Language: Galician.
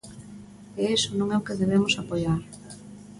E iso non é o que debemos apoiar.